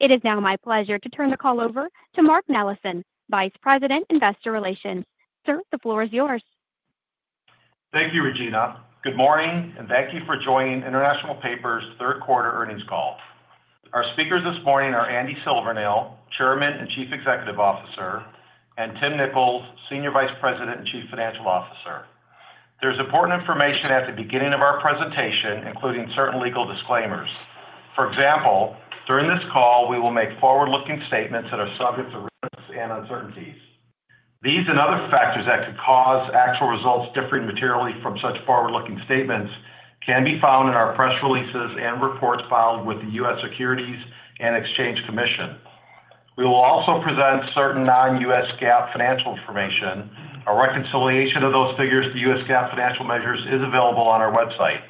It is now my pleasure to turn the call over to Mark Nellessen, Vice President, Investor Relations. Sir, the floor is yours. Thank you, Regina. Good morning, and thank you for joining International Paper's Q3 earnings call. Our speakers this morning are Andy Silvernail, Chairman and Chief Executive Officer, and Tim Nicholls, Senior Vice President and Chief Financial Officer. There is important information at the beginning of our presentation, including certain legal disclaimers. For example, during this call, we will make forward-looking statements that are subject to risks and uncertainties. These and other factors that could cause actual results differing materially from such forward-looking statements can be found in our press releases and reports filed with the U.S. Securities and Exchange Commission. We will also present certain non-U.S. GAAP financial information. A reconciliation of those figures to U.S. GAAP financial measures is available on our website.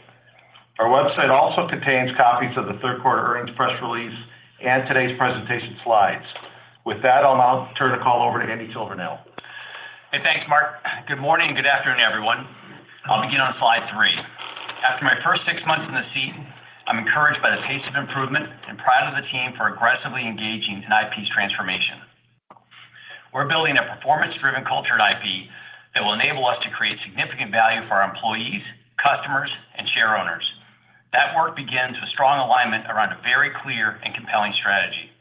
Our website also contains copies of the Q3 earnings press release and today's presentation slides. With that, I'll now turn the call over to Andy Silvernail. Hey, thanks, Mark. Good morning and good afternoon, everyone. I'll begin on slide three. After my first six months in the seat, I'm encouraged by the pace of improvement and proud of the team for aggressively engaging in IP's transformation. We're building a performance-driven culture in IP that will enable us to create significant value for our employees, customers, and share owners. That work begins with strong alignment around a very clear and compelling strategy.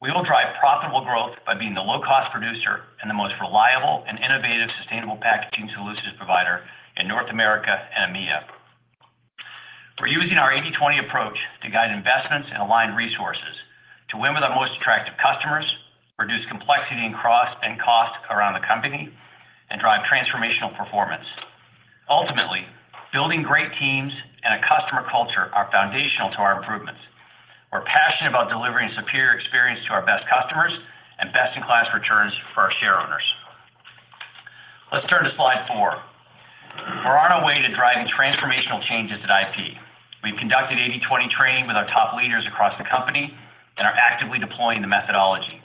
We will drive profitable growth by being the low-cost producer and the most reliable and innovative sustainable packaging solutions provider in North America and EMEA. We're using our 80/20 approach to guide investments and align resources to win with our most attractive customers, reduce complexity and cost around the company, and drive transformational performance. Ultimately, building great teams and a customer culture are foundational to our improvements. We're passionate about delivering superior experience to our best customers and best-in-class returns for our share owners. Let's turn to slide four. We're on our way to driving transformational changes at IP. We've conducted 80/20 training with our top leaders across the company and are actively deploying the methodology.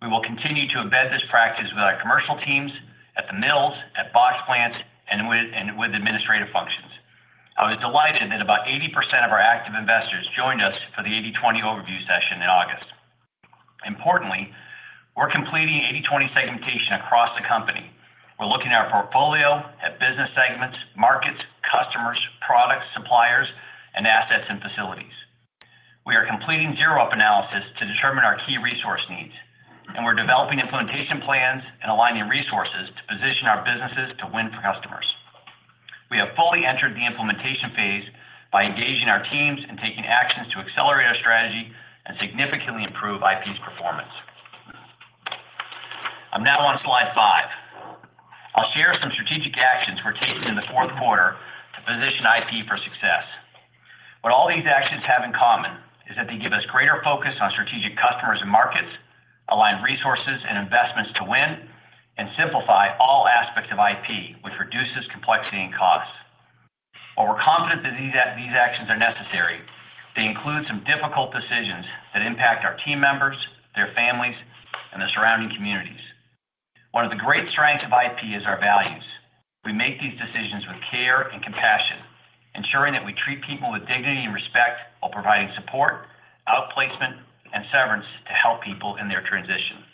We will continue to embed this practice with our commercial teams, at the mills, at box plants, and with administrative functions. I was delighted that about 80% of our active investors joined us for the 80/20 overview session in August. Importantly, we're completing 80/20 segmentation across the company. We're looking at our portfolio, at business segments, markets, customers, products, suppliers, and assets and facilities. We are completing zero-up analysis to determine our key resource needs, and we're developing implementation plans and aligning resources to position our businesses to win for customers. We have fully entered the implementation phase by engaging our teams and taking actions to accelerate our strategy and significantly improve IP's performance. I'm now on slide five. I'll share some strategic actions we're taking in the Q4 to position IP for success. What all these actions have in common is that they give us greater focus on strategic customers and markets, align resources and investments to win, and simplify all aspects of IP, which reduces complexity and cost. While we're confident that these actions are necessary, they include some difficult decisions that impact our team members, their families, and the surrounding communities. One of the great strengths of IP is our values. We make these decisions with care and compassion, ensuring that we treat people with dignity and respect while providing support, outplacement, and severance to help people in their transition.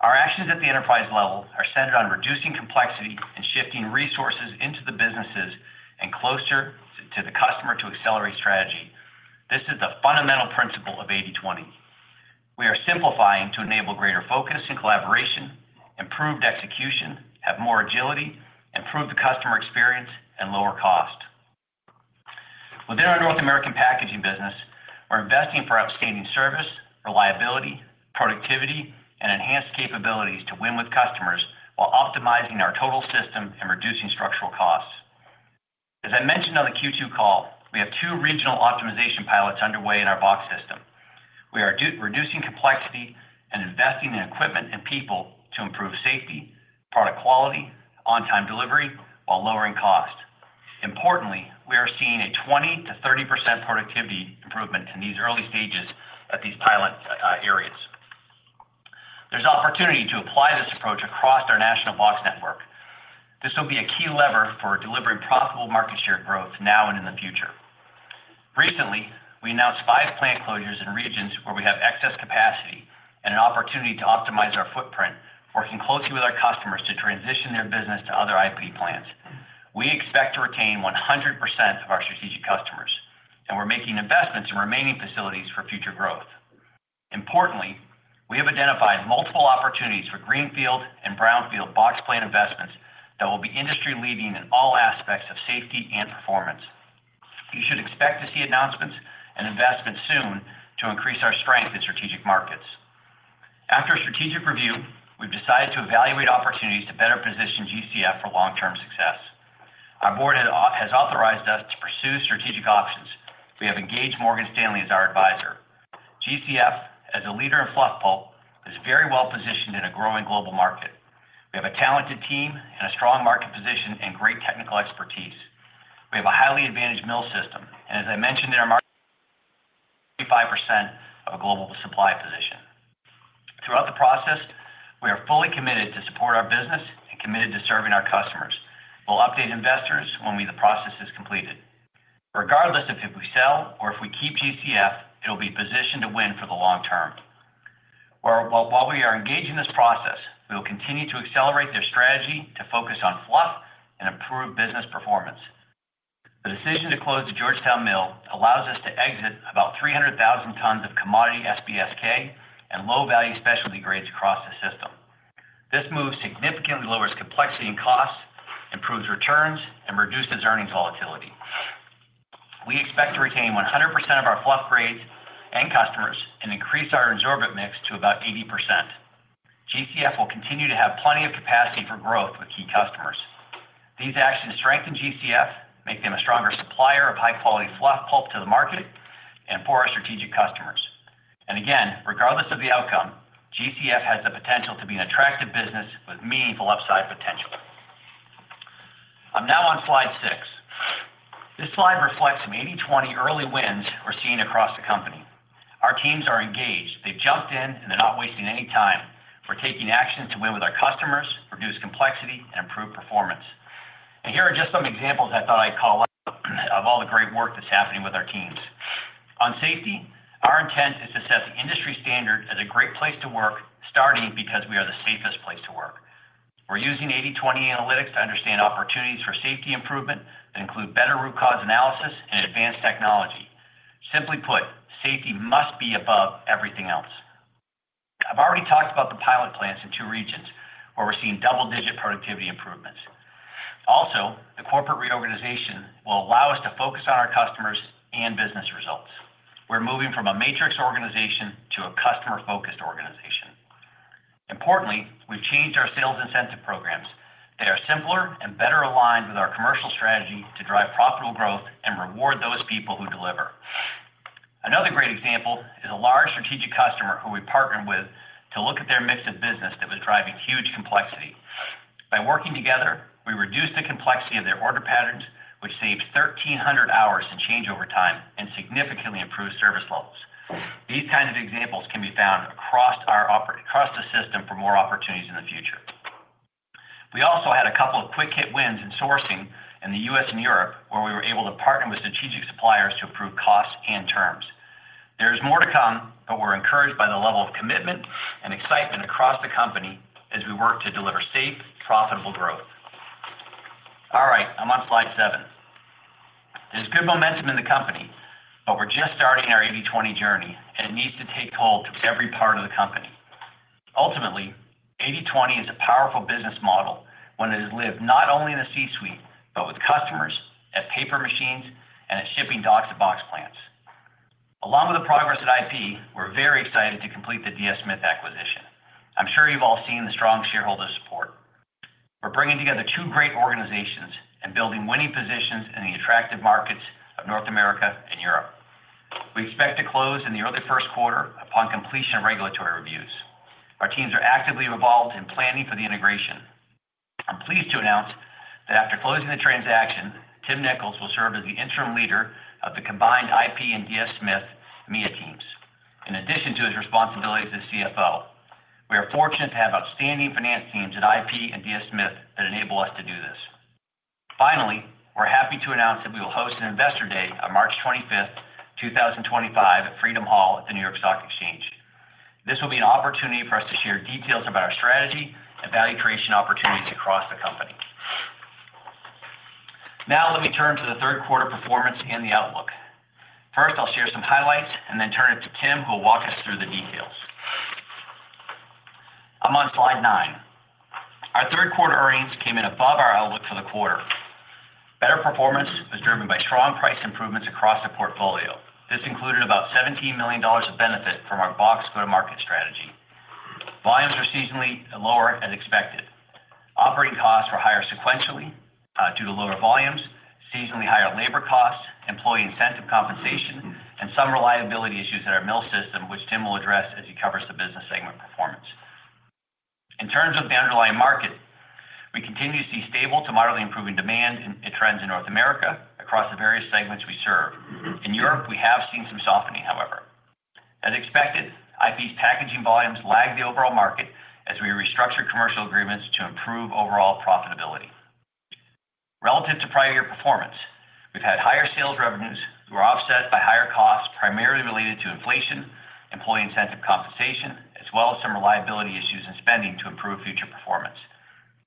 Our actions at the enterprise level are centered on reducing complexity and shifting resources into the businesses and closer to the customer to accelerate strategy. This is the fundamental principle of 80/20. We are simplifying to enable greater focus and collaboration, improved execution, have more agility, improve the customer experience, and lower cost. Within our North American packaging business, we're investing for outstanding service, reliability, productivity, and enhanced capabilities to win with customers while optimizing our total system and reducing structural costs. As I mentioned on the Q2 call, we have two regional optimization pilots underway in our box system. We are reducing complexity and investing in equipment and people to improve safety, product quality, on-time delivery, while lowering cost. Importantly, we are seeing a 20%-30% productivity improvement in these early stages at these pilot areas. There's opportunity to apply this approach across our national box network. This will be a key lever for delivering profitable market share growth now and in the future. Recently, we announced five plant closures in regions where we have excess capacity and an opportunity to optimize our footprint, working closely with our customers to transition their business to other IP plants. We expect to retain 100% of our strategic customers, and we're making investments in remaining facilities for future growth. Importantly, we have identified multiple opportunities for greenfield and brownfield box plant investments that will be industry-leading in all aspects of safety and performance. You should expect to see announcements and investments soon to increase our strength in strategic markets. After a strategic review, we've decided to evaluate opportunities to better position GCF for long-term success. Our board has authorized us to pursue strategic options. We have engaged Morgan Stanley as our advisor. GCF, as a leader in fluff pulp, is very well positioned in a growing global market. We have a talented team and a strong market position and great technical expertise. We have a highly advantaged mill system, and as I mentioned in our market, we have a 45% of a global supply position. Throughout the process, we are fully committed to support our business and committed to serving our customers. We'll update investors when the process is completed. Regardless of if we sell or if we keep GCF, it'll be positioned to win for the long term. While we are engaged in this process, we will continue to accelerate their strategy to focus on fluff and improve business performance. The decision to close the Georgetown mill allows us to exit about 300,000 tons of commodity SBSK and low-value specialty grades across the system. This move significantly lowers complexity and costs, improves returns, and reduces earnings volatility. We expect to retain 100% of our fluff grades and customers and increase our absorbent mix to about 80%. GCF will continue to have plenty of capacity for growth with key customers. These actions strengthen GCF, make them a stronger supplier of high-quality fluff pulp to the market, and for our strategic customers. And again, regardless of the outcome, GCF has the potential to be an attractive business with meaningful upside potential. I'm now on slide six. This slide reflects some 80/20 early wins we're seeing across the company. Our teams are engaged. They've jumped in, and they're not wasting any time. We're taking actions to win with our customers, reduce complexity, and improve performance. And here are just some examples I thought I'd call out of all the great work that's happening with our teams. On safety, our intent is to set the industry standard as a great place to work, starting because we are the safest place to work. We're using 80/20 analytics to understand opportunities for safety improvement that include better root cause analysis and advanced technology. Simply put, safety must be above everything else. I've already talked about the pilot plants in two regions where we're seeing double-digit productivity improvements. Also, the corporate reorganization will allow us to focus on our customers and business results. We're moving from a matrix organization to a customer-focused organization. Importantly, we've changed our sales incentive programs. They are simpler and better aligned with our commercial strategy to drive profitable growth and reward those people who deliver. Another great example is a large strategic customer who we partnered with to look at their mix of business that was driving huge complexity. By working together, we reduced the complexity of their order patterns, which saved 1,300 hours in changeover time and significantly improved service levels. These kinds of examples can be found across the system for more opportunities in the future. We also had a couple of quick hit wins in sourcing in the U.S. and Europe, where we were able to partner with strategic suppliers to improve costs and terms. There is more to come, but we're encouraged by the level of commitment and excitement across the company as we work to deliver safe, profitable growth. All right, I'm on slide seven. There's good momentum in the company, but we're just starting our 80/20 journey, and it needs to take hold through every part of the company. Ultimately, 80/20 is a powerful business model when it is lived not only in the C-suite, but with customers at paper machines and at shipping docks at box plants. Along with the progress at IP, we're very excited to complete the DS Smith acquisition. I'm sure you've all seen the strong shareholder support. We're bringing together two great organizations and building winning positions in the attractive markets of North America and Europe. We expect to close in the early Q1 upon completion of regulatory reviews. Our teams are actively involved in planning for the integration. I'm pleased to announce that after closing the transaction, Tim Nicholls will serve as the interim leader of the combined IP and DS Smith EMEA teams, in addition to his responsibilities as CFO. We are fortunate to have outstanding finance teams at IP and DS Smith that enable us to do this. Finally, we're happy to announce that we will host an Investor Day on March 25th, 2025, at Freedom Hall at the New York Stock Exchange. This will be an opportunity for us to share details about our strategy and value creation opportunities across the company. Now, let me turn to the Q3 performance and the outlook. First, I'll share some highlights and then turn it to Tim, who will walk us through the details. I'm on slide nine. Our Q3 earnings came in above our outlook for the quarter. Better performance was driven by strong price improvements across the portfolio. This included about $17 million of benefit from our box go-to-market strategy. Volumes were seasonally lower as expected. Operating costs were higher sequentially due to lower volumes, seasonally higher labor costs, employee incentive compensation, and some reliability issues at our mill system, which Tim will address as he covers the business segment performance. In terms of the underlying market, we continue to see stable to moderately improving demand and trends in North America across the various segments we serve. In Europe, we have seen some softening, however. As expected, IP's packaging volumes lag the overall market as we restructured commercial agreements to improve overall profitability. Relative to prior year performance, we've had higher sales revenues that were offset by higher costs primarily related to inflation, employee incentive compensation, as well as some reliability issues in spending to improve future performance.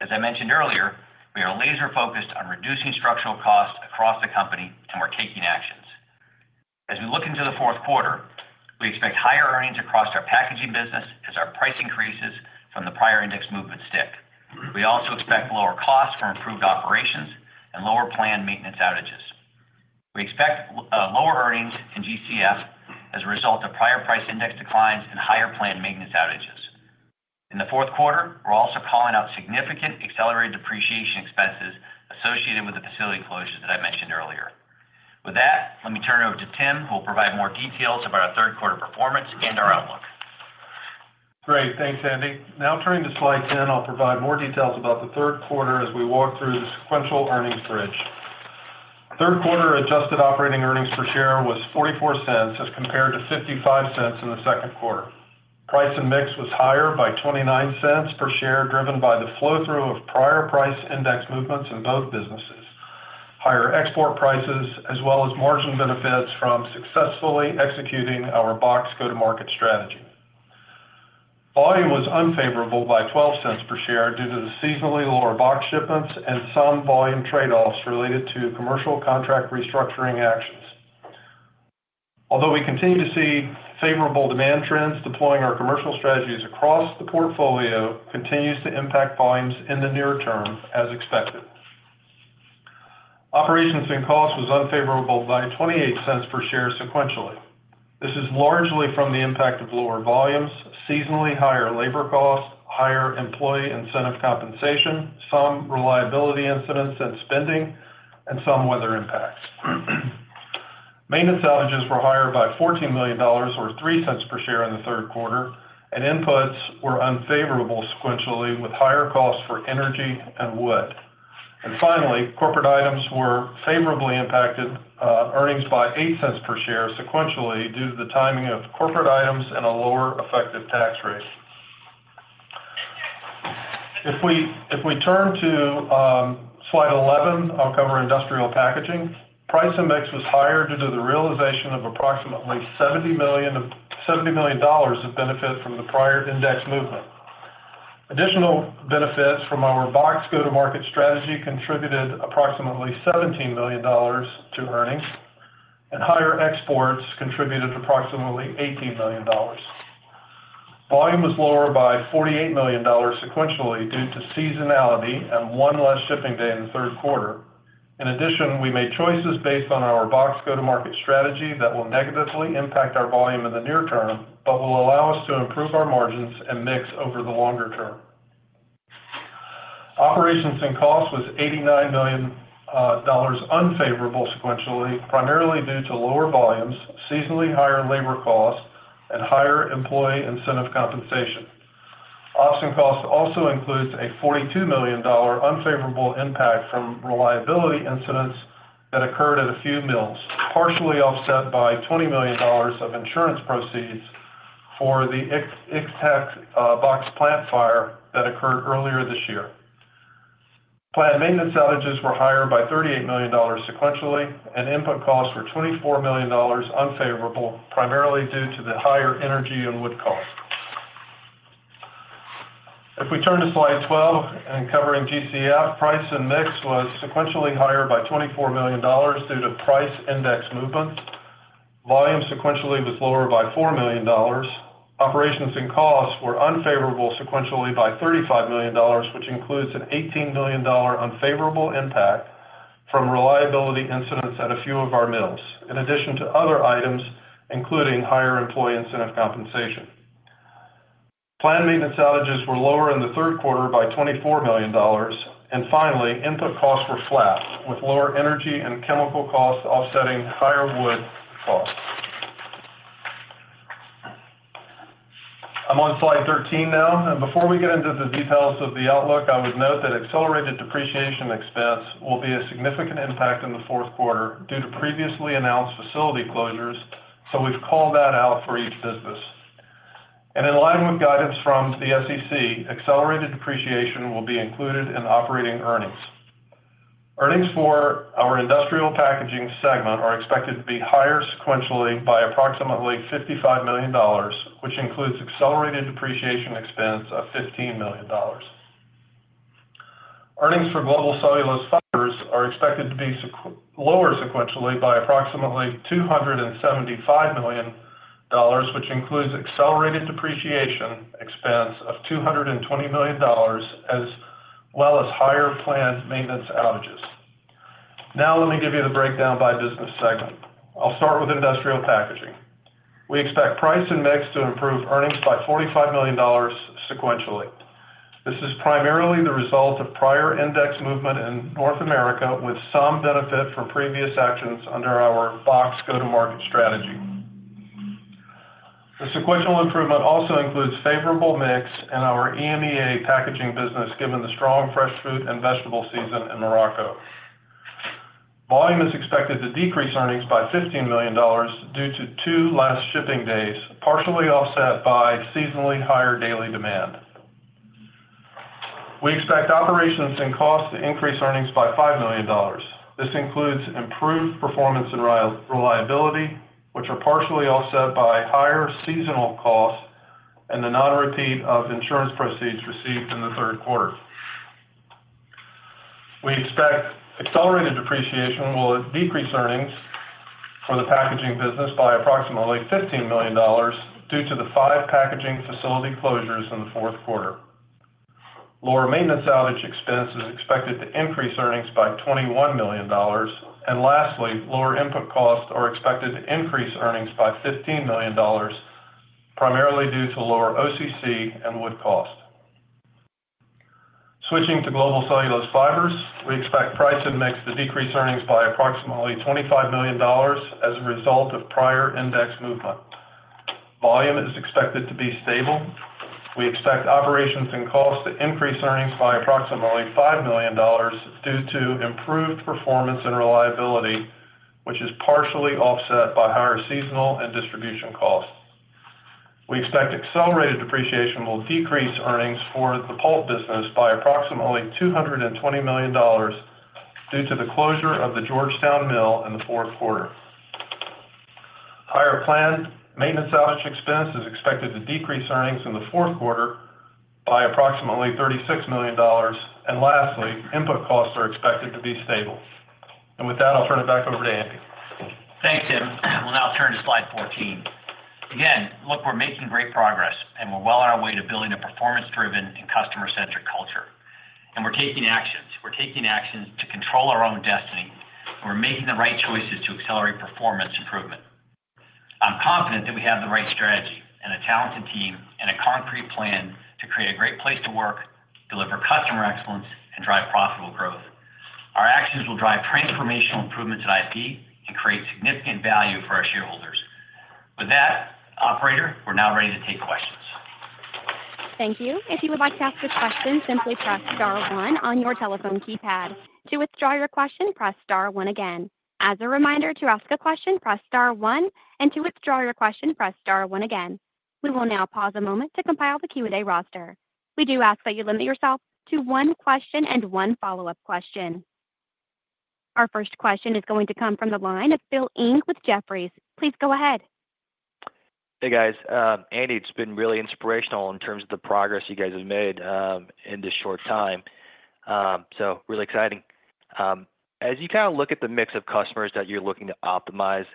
As I mentioned earlier, we are laser-focused on reducing structural costs across the company, and we're taking actions. As we look into the Q4, we expect higher earnings across our packaging business as our price increases from the prior index movement stick. We also expect lower costs from improved operations and lower planned maintenance outages. We expect lower earnings in GCF as a result of prior price index declines and higher planned maintenance outages. In the Q4, we're also calling out significant accelerated depreciation expenses associated with the facility closures that I mentioned earlier. With that, let me turn it over to Tim, who will provide more details about our Q3 performance and our outlook. Great. Thanks, Andy. Now, turning to slide 10, I'll provide more details about the Q3 as we walk through the sequential earnings bridge. Q3 adjusted operating earnings per share was $0.44 as compared to $0.55 in the Q2. Price and mix was higher by $0.29 per share, driven by the flow-through of prior price index movements in both businesses, higher export prices, as well as margin benefits from successfully executing our box go-to-market strategy. Volume was unfavorable by $0.12 per share due to the seasonally lower box shipments and some volume trade-offs related to commercial contract restructuring actions. Although we continue to see favorable demand trends, deploying our commercial strategies across the portfolio continues to impact volumes in the near term, as expected. Operations and costs were unfavorable by $0.28 per share sequentially. This is largely from the impact of lower volumes, seasonally higher labor costs, higher employee incentive compensation, some reliability incidents and spending, and some weather impacts. Maintenance outages were higher by $14 million, or $0.03 per share in the Q3, and inputs were unfavorable sequentially with higher costs for energy and wood. And finally, corporate items were favorably impacted, earnings by $0.08 per share sequentially due to the timing of corporate items and a lower effective tax rate. If we turn to slide 11, I'll cover industrial packaging. Price and mix was higher due to the realization of approximately $70 million of benefit from the prior index movement. Additional benefits from our box go-to-market strategy contributed approximately $17 million to earnings, and higher exports contributed approximately $18 million. Volume was lower by $48 million sequentially due to seasonality and one less shipping day in the Q3. In addition, we made choices based on our box go-to-market strategy that will negatively impact our volume in the near term, but will allow us to improve our margins and mix over the longer term. Operations and costs were $89 million unfavorable sequentially, primarily due to lower volumes, seasonally higher labor costs, and higher employee incentive compensation. Operational costs also include a $42 million unfavorable impact from reliability incidents that occurred at a few mills, partially offset by $20 million of insurance proceeds for the ITC box plant fire that occurred earlier this year. Plant maintenance outages were higher by $38 million sequentially, and input costs were $24 million unfavorable, primarily due to the higher energy and wood costs. If we turn to Slide 12 and covering GCF, price and mix was sequentially higher by $24 million due to price index movements. Volume sequentially was lower by $4 million. Operations and costs were unfavorable sequentially by $35 million, which includes an $18 million unfavorable impact from reliability incidents at a few of our mills, in addition to other items, including higher employee incentive compensation. Plant maintenance outages were lower in the Q3 by $24 million. And finally, input costs were flat, with lower energy and chemical costs offsetting higher wood costs. I'm on slide 13 now. And before we get into the details of the outlook, I would note that accelerated depreciation expense will be a significant impact in the Q4 due to previously announced facility closures, so we've called that out for each business. And in line with guidance from the SEC, accelerated depreciation will be included in operating earnings. Earnings for our Industrial Packaging segment are expected to be higher sequentially by approximately $55 million, which includes accelerated depreciation expense of $15 million. Earnings for Global Cellulose Fibers are expected to be lower sequentially by approximately $275 million, which includes accelerated depreciation expense of $220 million, as well as higher planned maintenance outages. Now, let me give you the breakdown by business segment. I'll start with Industrial Packaging. We expect price and mix to improve earnings by $45 million sequentially. This is primarily the result of prior index movement in North America, with some benefit from previous actions under our box go-to-market strategy. The sequential improvement also includes favorable mix in our EMEA packaging business, given the strong fresh fruit and vegetable season in Morocco. Volume is expected to decrease earnings by $15 million due to two less shipping days, partially offset by seasonally higher daily demand. We expect operations and costs to increase earnings by $5 million. This includes improved performance and reliability, which are partially offset by higher seasonal costs and the non-repeat of insurance proceeds received in the Q3. We expect accelerated depreciation will decrease earnings for the packaging business by approximately $15 million due to the five packaging facility closures in the Q4. Lower maintenance outage expense is expected to increase earnings by $21 million. And lastly, lower input costs are expected to increase earnings by $15 million, primarily due to lower OCC and wood cost. Switching to Global Cellulose Fibers, we expect price and mix to decrease earnings by approximately $25 million as a result of prior index movement. Volume is expected to be stable. We expect operations and costs to increase earnings by approximately $5 million due to improved performance and reliability, which is partially offset by higher seasonal and distribution costs. We expect accelerated depreciation will decrease earnings for the pulp business by approximately $220 million due to the closure of the Georgetown mill in the Q4. Higher planned maintenance outage expense is expected to decrease earnings in the Q4 by approximately $36 million. Lastly, input costs are expected to be stable. With that, I'll turn it back over to Andy. Thanks, Tim. We'll now turn to slide 14. Again, look, we're making great progress, and we're well on our way to building a performance-driven and customer-centric culture. We're taking actions to control our own destiny, and we're making the right choices to accelerate performance improvement. I'm confident that we have the right strategy and a talented team and a concrete plan to create a great place to work, deliver customer excellence, and drive profitable growth. Our actions will drive transformational improvements at IP and create significant value for our shareholders. With that, Operator, we're now ready to take questions. Thank you. If you would like to ask a question, simply press Star 1 on your telephone keypad. To withdraw your question, press Star 1 again. As a reminder, to ask a question, press Star 1, and to withdraw your question, press Star 1 again. We will now pause a moment to compile the Q&A roster. We do ask that you limit yourself to one question and one follow-up question. Our first question is going to come from the line of Philip Ng with Jefferies. Please go ahead. Hey, guys. Andy, it's been really inspirational in terms of the progress you guys have made in this short time. So really exciting. As you kind of look at the mix of customers that you're looking to optimize,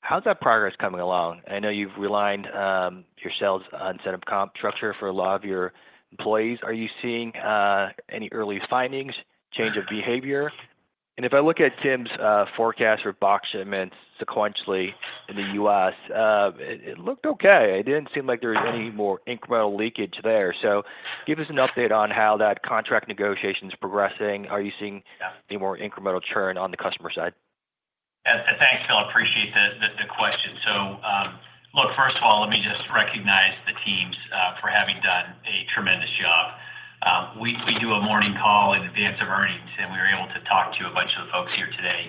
how's that progress coming along? I know you've realigned your sales incentive comp structure for a lot of your employees. Are you seeing any early findings, change of behavior? And if I look at Tim's forecast for box shipments sequentially in the U.S., it looked okay. It didn't seem like there was any more incremental leakage there. So give us an update on how that contract negotiation is progressing. Are you seeing any more incremental churn on the customer side? Thanks, Phil. I appreciate the question. So look, first of all, let me just recognize the teams for having done a tremendous job. We do a morning call in advance of earnings, and we were able to talk to a bunch of the folks here today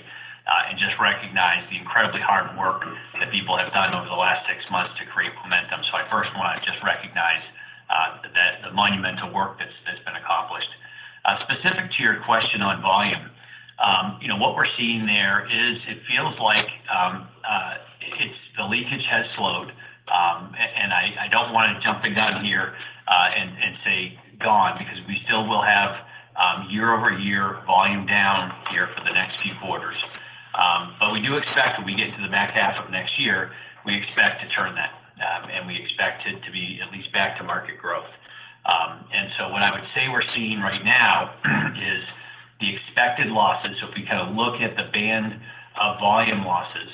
and just recognize the incredibly hard work that people have done over the last six months to create momentum, so I first want to just recognize the monumental work that's been accomplished. Specific to your question on volume, what we're seeing there is it feels like the leakage has slowed, and I don't want to jump ahead here and say gone because we still will have year-over-year volume down here for the next few quarters, but we do expect when we get to the back half of next year, we expect to turn that, and we expect it to be at least back to market growth, and so what I would say we're seeing right now is the expected losses. So if we kind of look at the band of volume losses,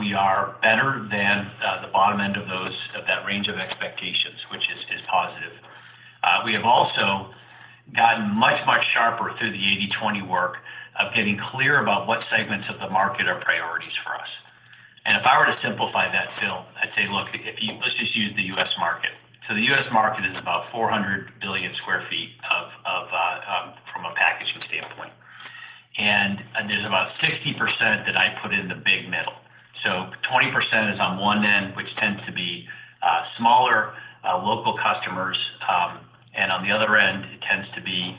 we are better than the bottom end of that range of expectations, which is positive. We have also gotten much, much sharper through the 80/20 work of getting clear about what segments of the market are priorities for us. And if I were to simplify that, Phil, I'd say, "Look, let's just use the U.S. market." So the U.S. market is about 400 billion sq ft from a packaging standpoint. And there's about 60% that I put in the big middle. So 20% is on one end, which tends to be smaller local customers, and on the other end, it tends to be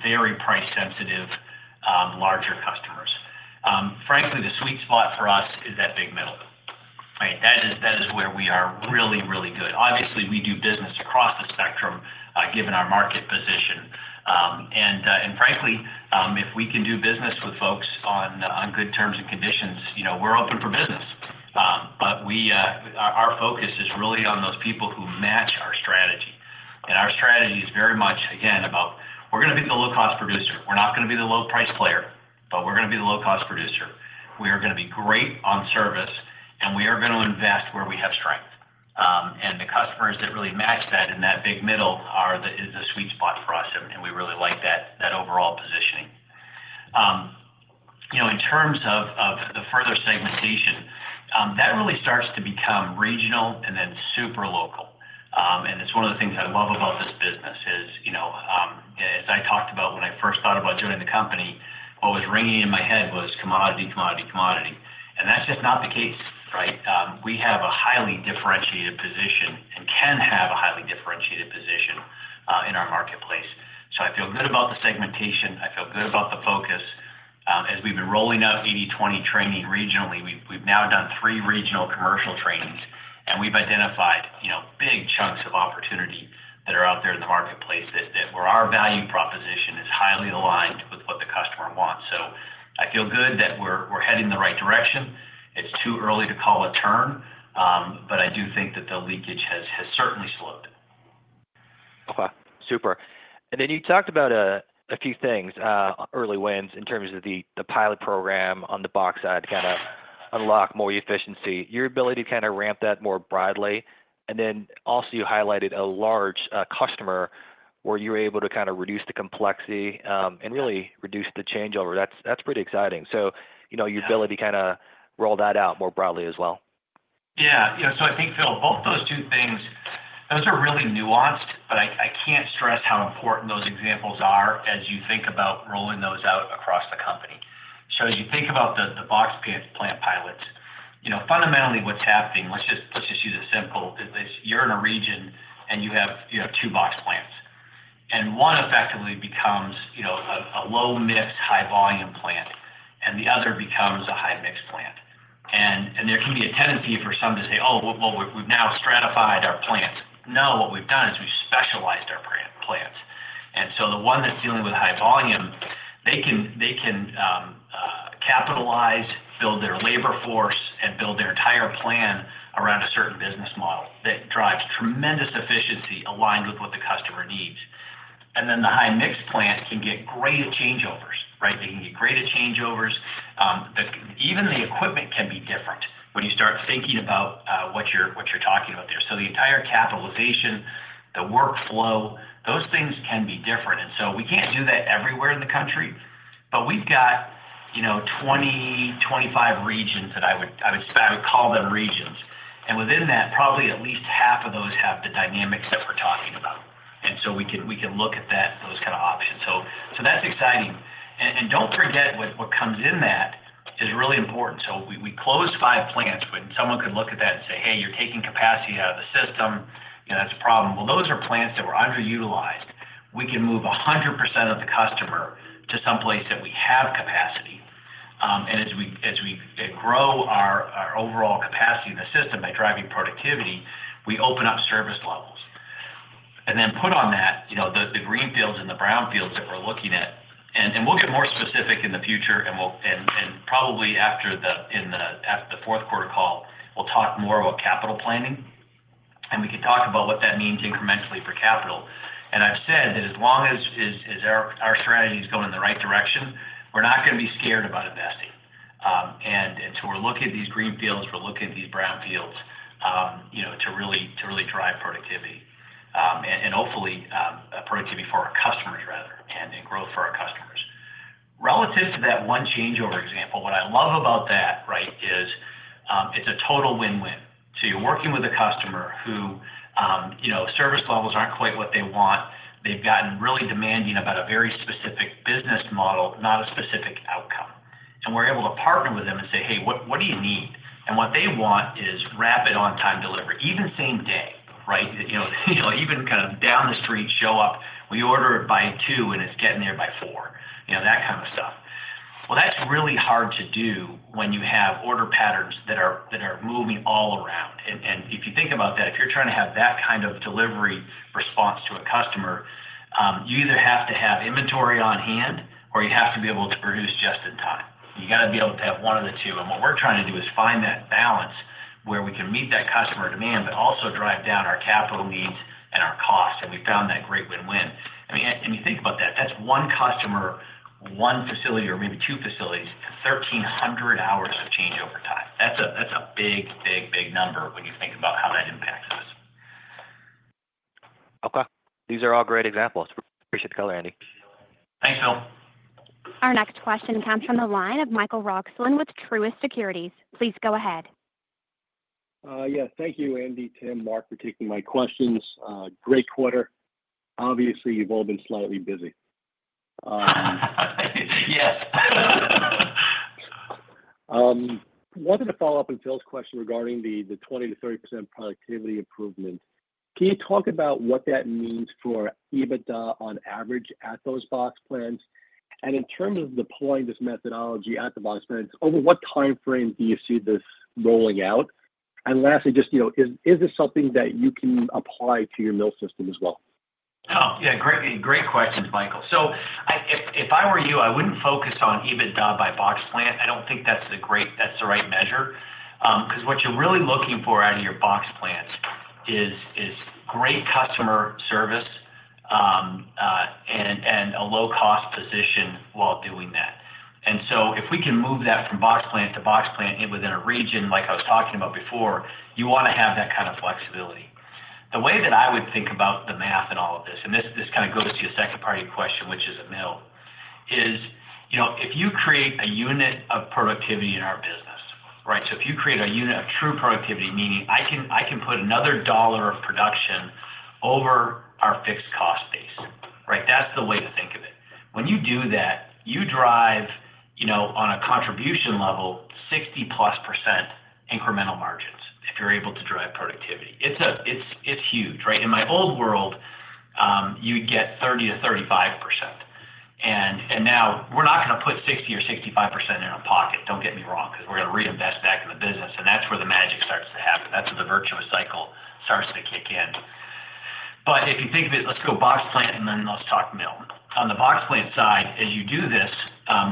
very price-sensitive, larger customers. Frankly, the sweet spot for us is that big middle. That is where we are really, really good. Obviously, we do business across the spectrum given our market position. And frankly, if we can do business with folks on good terms and conditions, we're open for business. But our focus is really on those people who match our strategy. And our strategy is very much, again, about we're going to be the low-cost producer. We're not going to be the low-price player, but we're going to be the low-cost producer. We are going to be great on service, and we are going to invest where we have strength. And the customers that really match that in that big middle is the sweet spot for us, and we really like that overall positioning. In terms of the further segmentation, that really starts to become regional and then super local. And it's one of the things I love about this business is, as I talked about when I first thought about joining the company, what was ringing in my head was commodity, commodity, commodity. And that's just not the case, right? We have a highly differentiated position and can have a highly differentiated position in our marketplace. So I feel good about the segmentation. I feel good about the focus. As we've been rolling out 80/20 training regionally, we've now done three regional commercial trainings, and we've identified big chunks of opportunity that are out there in the marketplace where our value proposition is highly aligned with what the customer wants. So I feel good that we're heading the right direction. It's too early to call a turn, but I do think that the leakage has certainly slowed. Okay. Super. And then you talked about a few things, early wins, in terms of the pilot program on the box side to kind of unlock more efficiency, your ability to kind of ramp that more broadly, and then also you highlighted a large customer where you were able to kind of reduce the complexity and really reduce the changeover. That's pretty exciting. So your ability to kind of roll that out more broadly as well. Yeah. So I think, Phil, both those two things, those are really nuanced, but I can't stress how important those examples are as you think about rolling those out across the company. So as you think about the box plant pilots, fundamentally, what's happening, let's just use a simple, is you're in a region, and you have two box plants. And one effectively becomes a low-mix, high-volume plant, and the other becomes a high-mix plant. There can be a tendency for some to say, "Oh, well, we've now stratified our plants." No, what we've done is we've specialized our plants. So the one that's dealing with high volume, they can capitalize, build their labor force, and build their entire plant around a certain business model that drives tremendous efficiency aligned with what the customer needs. Then the high-mix plant can get greater changeovers, right? They can get greater changeovers. Even the equipment can be different when you start thinking about what you're talking about there. The entire capitalization, the workflow, those things can be different. We can't do that everywhere in the country, but we've got 20, 25 regions that I would call them regions. Within that, probably at least half of those have the dynamics that we're talking about. So we can look at those kind of options. So that's exciting. And don't forget what comes in that is really important. So we closed five plants when someone could look at that and say, "Hey, you're taking capacity out of the system. That's a problem." Well, those are plants that were underutilized. We can move 100% of the customer to someplace that we have capacity. And as we grow our overall capacity in the system by driving productivity, we open up service levels. And then put on that the greenfields and the brownfields that we're looking at. And we'll get more specific in the future, and probably after the Q4 call, we'll talk more about capital planning, and we can talk about what that means incrementally for capital. And I've said that as long as our strategy is going in the right direction, we're not going to be scared about investing. And so we're looking at these green fields. We're looking at these brown fields to really drive productivity and hopefully productivity for our customers, rather, and growth for our customers. Relative to that one changeover example, what I love about that, right, is it's a total win-win. So you're working with a customer whose service levels aren't quite what they want. They've gotten really demanding about a very specific business model, not a specific outcome. And we're able to partner with them and say, "Hey, what do you need?" And what they want is rapid on-time delivery, even same day, right? Even kind of down the street, show up, we order it by two, and it's getting there by four, that kind of stuff. That's really hard to do when you have order patterns that are moving all around. And if you think about that, if you're trying to have that kind of delivery response to a customer, you either have to have inventory on hand or you have to be able to produce just in time. You got to be able to have one of the two. And what we're trying to do is find that balance where we can meet that customer demand but also drive down our capital needs and our cost. And we found that great win-win. And you think about that, that's one customer, one facility, or maybe two facilities, 1,300 hours of changeover time. That's a big, big, big number when you think about how that impacts us. Okay. These are all great examples. Appreciate the color, Andy. Thanks, Phil. Our next question comes from the line of Michael Roxland with Truist Securities. Please go ahead. Yes. Thank you, Andy, Tim, Mark, for taking my questions. Great quarter. Obviously, you've all been slightly busy. Yes. Wanted to follow up on Phil's question regarding the 20%-30% productivity improvement. Can you talk about what that means for EBITDA on average at those box plants? And in terms of deploying this methodology at the box plants, over what timeframe do you see this rolling out? And lastly, just is this something that you can apply to your mill system as well? Oh, yeah. Great questions, Michael. So if I were you, I wouldn't focus on EBITDA by box plant. I don't think that's the right measure because what you're really looking for out of your box plants is great customer service and a low-cost position while doing that. And so if we can move that from box plant to box plant within a region, like I was talking about before, you want to have that kind of flexibility. The way that I would think about the math and all of this, and this kind of goes to your second party question, which is a mill, is if you create a unit of productivity in our business, right? So if you create a unit of true productivity, meaning I can put another dollar of production over our fixed cost base, right? That's the way to think of it. When you do that, you drive on a contribution level, 60+% incremental margins if you're able to drive productivity. It's huge, right? In my old world, you'd get 30%-35%. Now we're not going to put 60% or 65% in our pocket, don't get me wrong, because we're going to reinvest back in the business. That's where the magic starts to happen. That's where the virtuous cycle starts to kick in. If you think of it, let's go box plant, and then let's talk mill. On the box plant side, as you do this,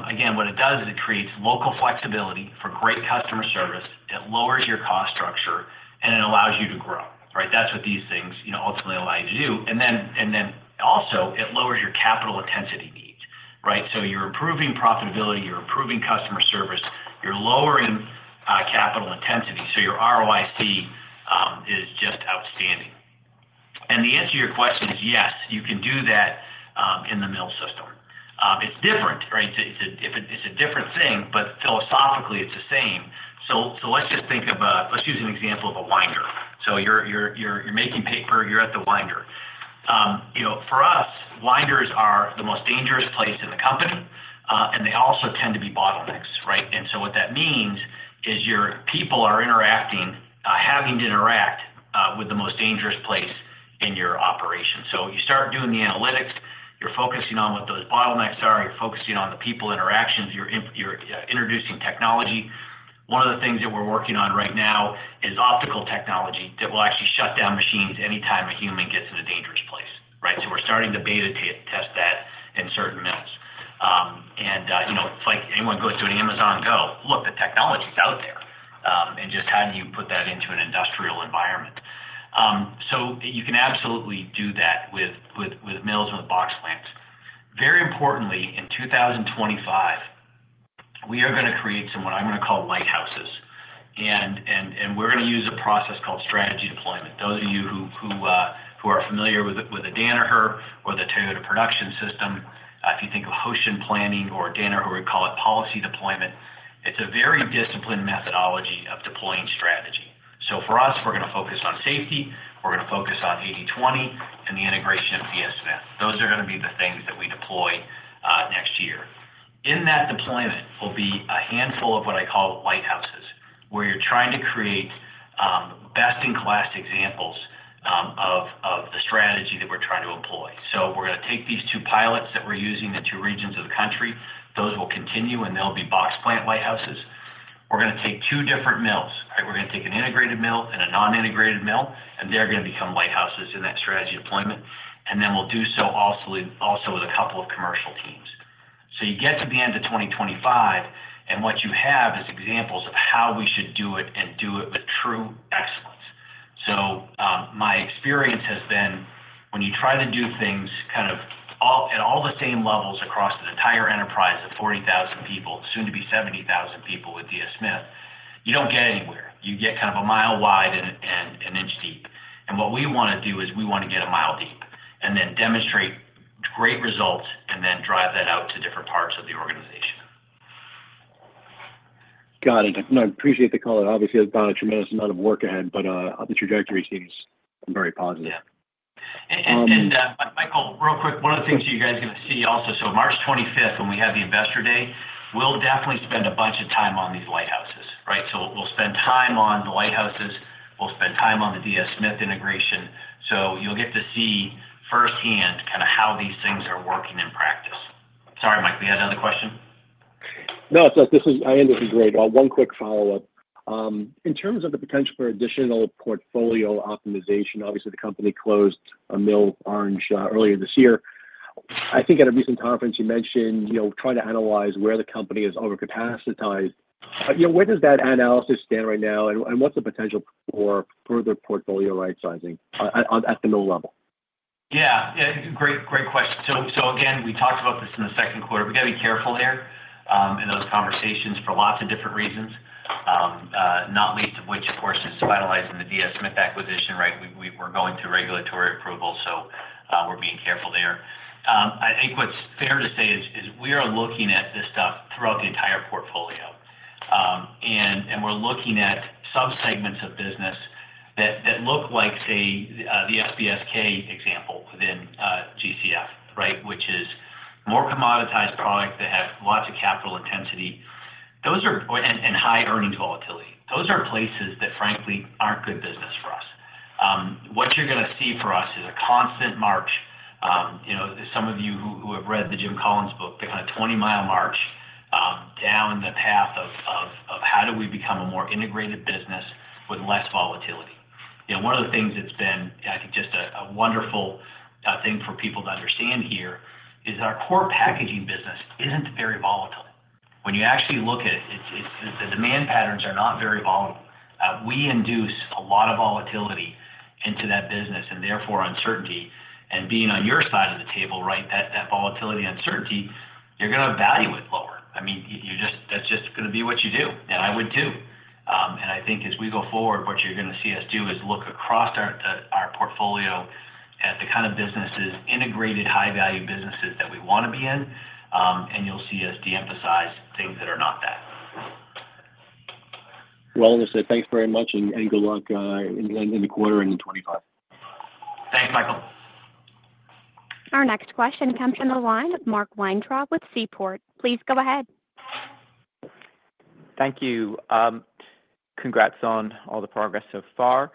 again, what it does is it creates local flexibility for great customer service. It lowers your cost structure, and it allows you to grow, right? That's what these things ultimately allow you to do. Then also, it lowers your capital intensity needs, right? So you're improving profitability. You're improving customer service. You're lowering capital intensity. So your ROIC is just outstanding. The answer to your question is yes, you can do that in the mill system. It's different, right? It's a different thing, but philosophically, it's the same. So let's use an example of a winder. So you're making paper. You're at the winder. For us, winders are the most dangerous place in the company, and they also tend to be bottlenecks, right? And so what that means is your people are having to interact with the most dangerous place in your operation. So you start doing the analytics. You're focusing on what those bottlenecks are. You're focusing on the people interactions. You're introducing technology. One of the things that we're working on right now is optical technology that will actually shut down machines anytime a human gets in a dangerous place, right? So we're starting to beta test that in certain mills. It's like anyone goes to an Amazon Go, "Look, the technology's out there," and just how do you put that into an industrial environment? You can absolutely do that with mills and with box plants. Very importantly, in 2025, we are going to create some what I'm going to call lighthouses, and we're going to use a process called strategy deployment. Those of you who are familiar with the Danaher or the Toyota Production System, if you think of Hoshin planning or Danaher, we call it policy deployment. It's a very disciplined methodology of deploying strategy. For us, we're going to focus on safety. We're going to focus on 80/20 and the integration of DS Smith. Those are going to be the things that we deploy next year. In that deployment, there will be a handful of what I call lighthouses, where you're trying to create best-in-class examples of the strategy that we're trying to employ. So we're going to take these two pilots that we're using in two regions of the country. Those will continue, and they'll be box plant lighthouses. We're going to take two different mills, right? We're going to take an integrated mill and a non-integrated mill, and they're going to become lighthouses in that strategy deployment. And then we'll do so also with a couple of commercial teams. So you get to the end of 2025, and what you have is examples of how we should do it and do it with true excellence. So my experience has been when you try to do things kind of at all the same levels across an entire enterprise of 40,000 people, soon to be 70,000 people with DS Smith, you don't get anywhere. You get kind of a mile wide and an inch deep. And what we want to do is we want to get a mile deep and then demonstrate great results and then drive that out to different parts of the organization. Got it. No, I appreciate the call. Obviously, I've got a tremendous amount of work ahead, but the trajectory seems very positive. Yeah. And Michael, real quick, one of the things you guys are going to see also, so March 25th, when we have the investor day, we'll definitely spend a bunch of time on these lighthouses, right? So we'll spend time on the lighthouses. We'll spend time on the DS Smith integration. So you'll get to see firsthand kind of how these things are working in practice. Sorry, Mike. We had another question. No, I think this is great. One quick follow-up. In terms of the potential for additional portfolio optimization, obviously, the company closed a mill, Orange, earlier this year. I think at a recent conference, you mentioned trying to analyze where the company is overcapacitated. Where does that analysis stand right now, and what's the potential for further portfolio right-sizing at the mill level? Yeah. Great question. So again, we talked about this in the Q2. We got to be careful here in those conversations for lots of different reasons, not least of which, of course, is finalizing the DS Smith acquisition, right? We're going through regulatory approval, so we're being careful there. I think what's fair to say is we are looking at this stuff throughout the entire portfolio, and we're looking at subsegments of business that look like, say, the SBSK example within GCF, right, which is more commoditized product that has lots of capital intensity and high earnings volatility. Those are places that, frankly, aren't good business for us. What you're going to see for us is a constant march. Some of you who have read the Jim Collins book, the kind of 20-mile march down the path of how do we become a more integrated business with less volatility. One of the things that's been, I think, just a wonderful thing for people to understand here is our core packaging business isn't very volatile. When you actually look at it, the demand patterns are not very volatile. We induce a lot of volatility into that business and therefore uncertainty. And being on your side of the table, right, that volatility and uncertainty, you're going to value it lower. I mean, that's just going to be what you do, and I would too. And I think as we go forward, what you're going to see us do is look across our portfolio at the kind of businesses, integrated high-value businesses that we want to be in, and you'll see us de-emphasize things that are not that. Well, I want to say thanks very much and good luck in the quarter and in 2025. Thanks, Michael. Our next question comes from the line of Mark Weintraub with Seaport. Please go ahead. Thank you. Congrats on all the progress so far.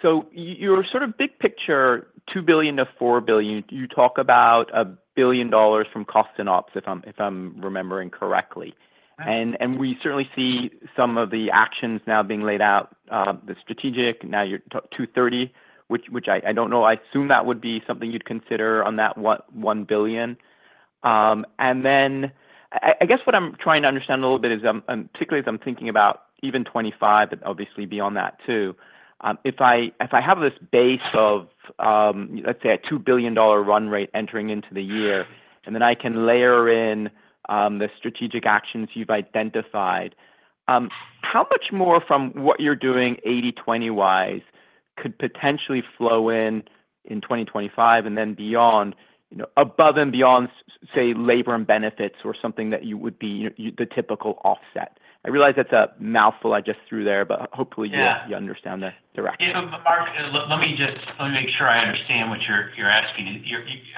So your sort of big picture, $2-4 billion, you talk about $1 billion from cost and ops, if I'm remembering correctly. And we certainly see some of the actions now being laid out, the strategic. Now you're 230, which I don't know. I assume that would be something you'd consider on that $1 billion. And then I guess what I'm trying to understand a little bit is, particularly as I'm thinking about even 2025, but obviously beyond that too, if I have this base of, let's say, a $2 billion run rate entering into the year, and then I can layer in the strategic actions you've identified, how much more from what you're doing 80/20-wise could potentially flow in in 2025 and then beyond, above and beyond, say, labor and benefits or something that you would be the typical offset? I realize that's a mouthful I just threw there, but hopefully, you understand the direction. Yeah. Mark, let me just make sure I understand what you're asking.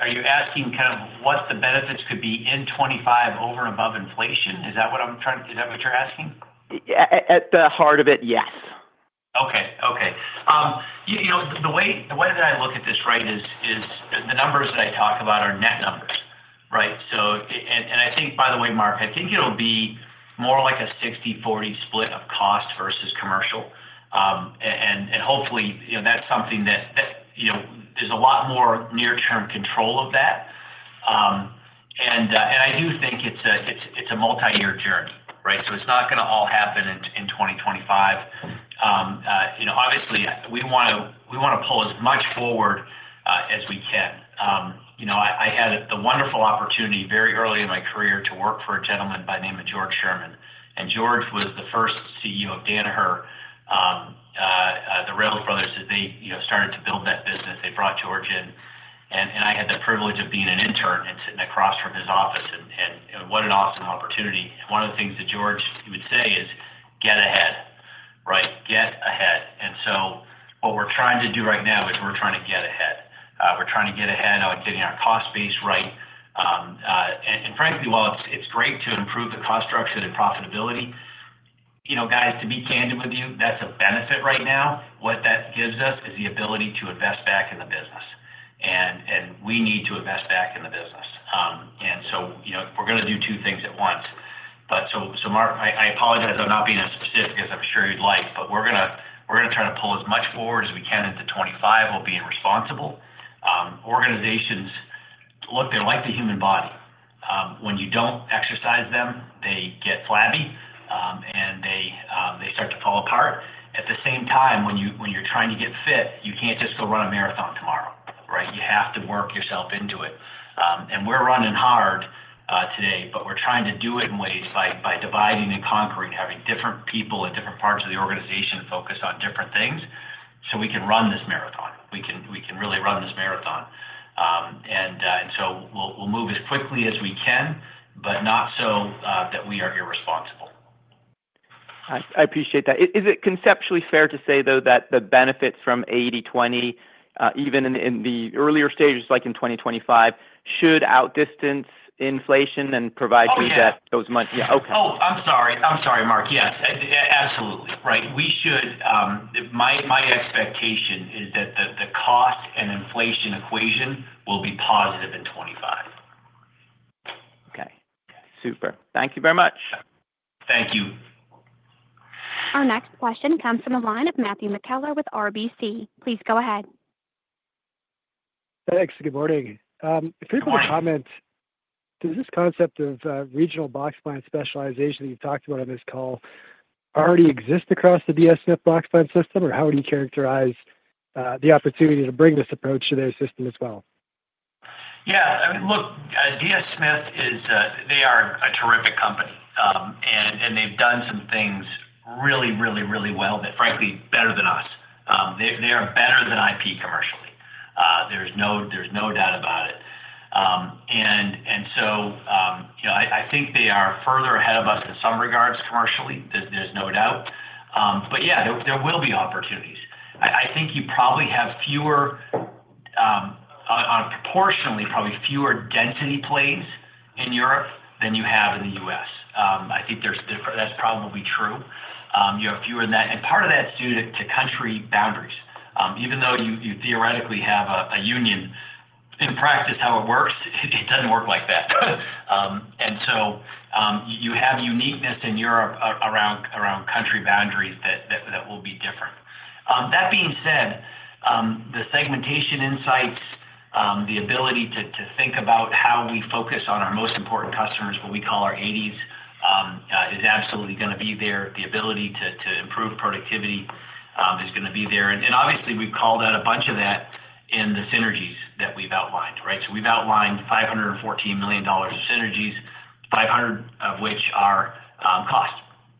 Are you asking kind of what the benefits could be in 2025 over and above inflation? Is that what you're asking? At the heart of it, yes. Okay. Okay. The way that I look at this, right, is the numbers that I talk about are net numbers, right? And I think, by the way, Mark, I think it'll be more like a 60/40 split of cost versus commercial. And hopefully, that's something that there's a lot more near-term control of that. And I do think it's a multi-year journey, right? So it's not going to all happen in 2025. Obviously, we want to pull as much forward as we can. I had the wonderful opportunity very early in my career to work for a gentleman by the name of George Sherman. And George was the first CEO of Danaher, the Rales Brothers, as they started to build that business. They brought George in, and I had the privilege of being an intern and sitting across from his office. And what an awesome opportunity. One of the things that George would say is, "Get ahead," right? Get ahead. And so what we're trying to do right now is we're trying to get ahead. We're trying to get ahead on getting our cost base right. And frankly, while it's great to improve the cost structure and profitability, guys, to be candid with you, that's a benefit right now. What that gives us is the ability to invest back in the business. And we need to invest back in the business. And so we're going to do two things at once. So Mark, I apologize for not being as specific as I'm sure you'd like, but we're going to try to pull as much forward as we can into 2025 while being responsible. Organizations look like the human body. When you don't exercise them, they get flabby, and they start to fall apart. At the same time, when you're trying to get fit, you can't just go run a marathon tomorrow, right? You have to work yourself into it. And we're running hard today, but we're trying to do it in ways by dividing and conquering, having different people at different parts of the organization focus on different things so we can run this marathon. We can really run this marathon. And so we'll move as quickly as we can, but not so that we are irresponsible. I appreciate that. Is it conceptually fair to say, though, that the benefits from 80/20, even in the earlier stages like in 2025, should outdistance inflation and provide you that those money? Yeah. Oh, I'm sorry. I'm sorry, Mark. Yes. Absolutely. Right. My expectation is that the cost and inflation equation will be positive in 2025. Okay. Super. Thank you very much. Thank you. Our next question comes from the line of Matthew McKellar with RBC. Please go ahead. Thanks. Good morning. If you're able to comment, does this concept of regional box plant specialization that you've talked about on this call already exist across the DS Smith box plant system, or how would you characterize the opportunity to bring this approach to their system as well? Yeah. Look, DS Smith, they are a terrific company, and they've done some things really, really, really well, frankly, better than us. They are better than IP commercially. There's no doubt about it. And so I think they are further ahead of us in some regards commercially. There's no doubt. But yeah, there will be opportunities. I think you probably have fewer, proportionally, probably fewer density plays in Europe than you have in the US. I think that's probably true. You have fewer than that. And part of that's due to country boundaries. Even though you theoretically have a union, in practice, how it works, it doesn't work like that. And so you have uniqueness in Europe around country boundaries that will be different. That being said, the segmentation insights, the ability to think about how we focus on our most important customers, what we call our 80s, is absolutely going to be there. The ability to improve productivity is going to be there. And obviously, we've called out a bunch of that in the synergies that we've outlined, right? So we've outlined $514 million of synergies, 500 of which are cost.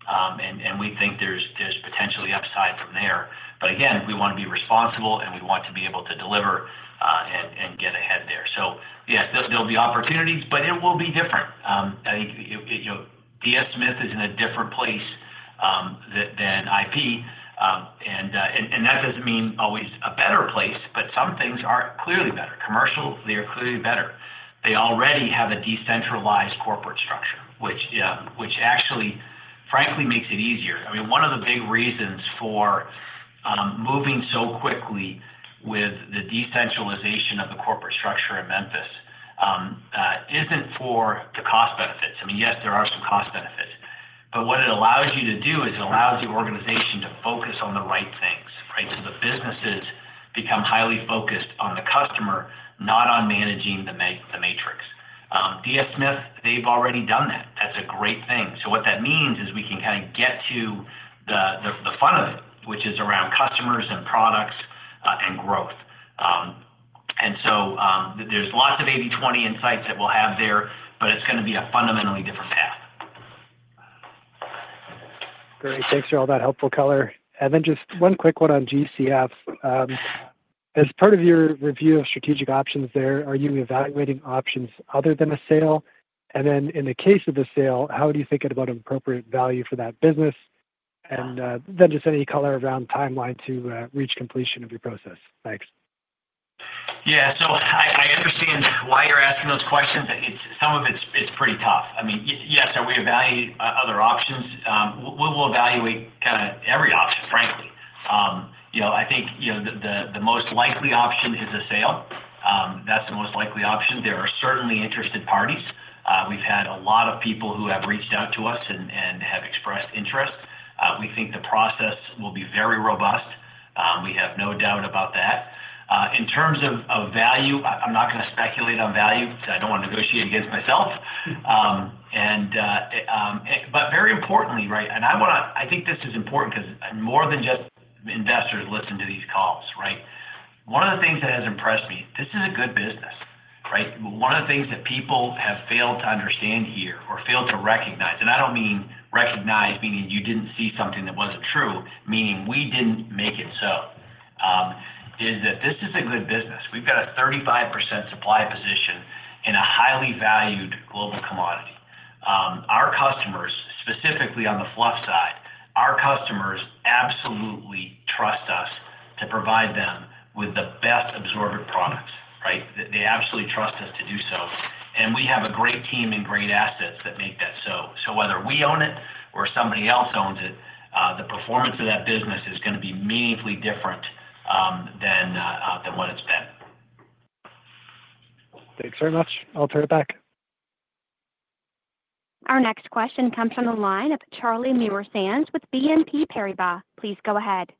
And we think there's potentially upside from there. But again, we want to be responsible, and we want to be able to deliver and get ahead there. So yes, there'll be opportunities, but it will be different. I think DS Smith is in a different place than IP. And that doesn't mean always a better place, but some things are clearly better. Commercial, they are clearly better. They already have a decentralized corporate structure, which actually, frankly, makes it easier. I mean, one of the big reasons for moving so quickly with the decentralization of the corporate structure in Memphis isn't for the cost benefits. I mean, yes, there are some cost benefits. But what it allows you to do is it allows the organization to focus on the right things, right? So the businesses become highly focused on the customer, not on managing the matrix. DS Smith, they've already done that. That's a great thing. So what that means is we can kind of get to the fun of it, which is around customers and products and growth. And so there's lots of 80/20 insights that we'll have there, but it's going to be a fundamentally different path. Great. Thanks for all that helpful color. And then just one quick one on GCF. As part of your review of strategic options there, are you evaluating options other than a sale? And then in the case of a sale, how do you think about an appropriate value for that business? And then just any color around timeline to reach completion of your process. Thanks. Yeah, so I understand why you're asking those questions. Some of it's pretty tough. I mean, yes, we evaluate other options. We will evaluate kind of every option, frankly. I think the most likely option is a sale. That's the most likely option. There are certainly interested parties. We've had a lot of people who have reached out to us and have expressed interest. We think the process will be very robust. We have no doubt about that. In terms of value, I'm not going to speculate on value because I don't want to negotiate against myself, but very importantly, right, and I think this is important because more than just investors listen to these calls, right? One of the things that has impressed me, this is a good business, right? One of the things that people have failed to understand here or failed to recognize, and I don't mean recognize meaning you didn't see something that wasn't true, meaning we didn't make it so, is that this is a good business. We've got a 35% supply position in a highly valued global commodity. Our customers, specifically on the fluff side, our customers absolutely trust us to provide them with the best absorbent products, right? They absolutely trust us to do so. And we have a great team and great assets that make that so. So whether we own it or somebody else owns it, the performance of that business is going to be meaningfully different than what it's been. Thanks very much. I'll turn it back. Our next question comes from the line of Charlie Muir-Sands with BNP Paribas. Please go ahead.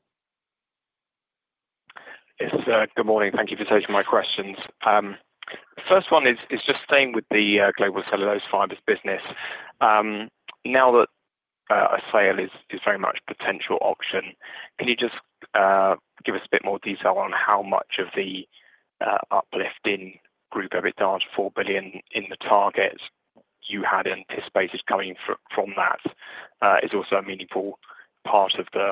Yes. Good morning. Thank you for taking my questions. First one is just staying with the Global Cellulose Fibers business. Now that a sale is very much potential auction, can you just give us a bit more detail on how much of the uplift in Group EBITDA, $4 billion in the targets you had anticipated coming from that is also a meaningful part of the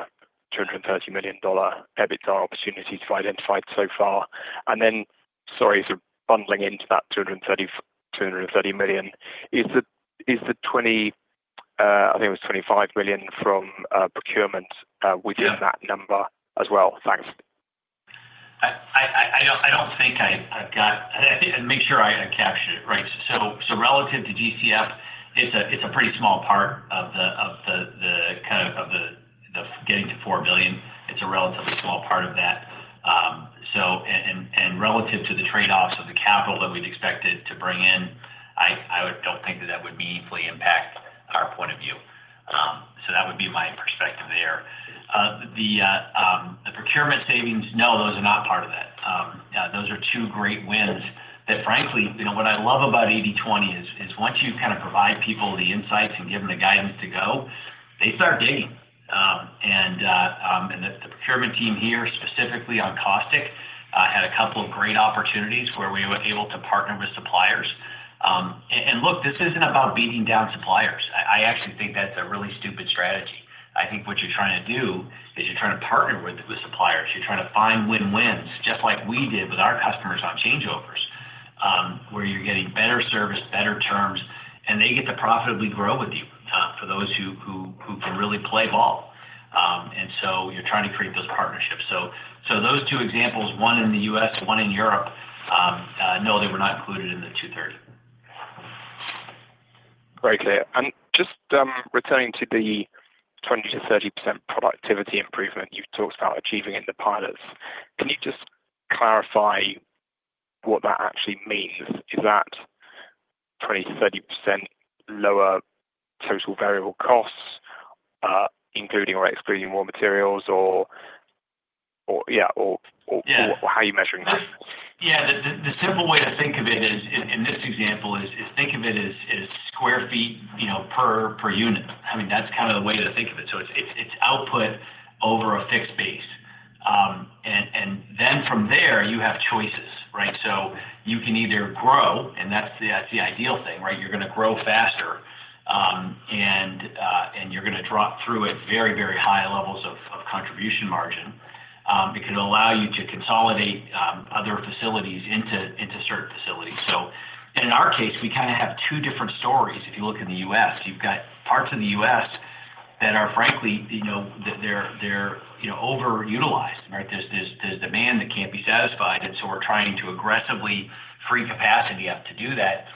$230 million EBITDA opportunities we've identified so far? And then, sorry, sort of bundling into that 230 million, is the $20—I think it was $25 million from procurement within that number as well? Thanks. I don't think I've got—and make sure I captured it right. So relative to GCF, it's a pretty small part of the kind of getting to $4 billion. It's a relatively small part of that. And relative to the trade-offs of the capital that we'd expected to bring in, I don't think that that would meaningfully impact our point of view. So that would be my perspective there. The procurement savings, no, those are not part of that. Those are two great wins that, frankly, what I love about 80/20 is once you kind of provide people the insights and give them the guidance to go, they start digging. And the procurement team here, specifically on caustic, had a couple of great opportunities where we were able to partner with suppliers. And look, this isn't about beating down suppliers. I actually think that's a really stupid strategy. I think what you're trying to do is you're trying to partner with suppliers. You're trying to find win-wins, just like we did with our customers on changeovers, where you're getting better service, better terms, and they get to profitably grow with you for those who can really play ball. And so you're trying to create those partnerships. So those two examples, one in the U.S., one in Europe, no, they were not included in the 230. Great. And just returning to the 20%-30% productivity improvement you've talked about achieving in the pilots, can you just clarify what that actually means? Is that 20%-30% lower total variable costs, including or excluding raw materials, or how are you measuring that? Yeah. The simple way to think of it in this example is think of it as sq ft per unit. I mean, that's kind of the way to think of it. So it's output over a fixed base. And then from there, you have choices, right? So you can either grow, and that's the ideal thing, right? You're going to grow faster, and you're going to drop through at very, very high levels of contribution margin. It can allow you to consolidate other facilities into certain facilities. So in our case, we kind of have two different stories. If you look in the U.S., you've got parts of the U.S. that are, frankly, they're overutilized, right? There's demand that can't be satisfied, and so we're trying to aggressively free capacity up to do that.